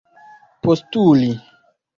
postuli